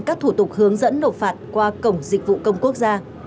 các thủ tục hướng dẫn nộp phạt qua cổng dịch vụ công quốc gia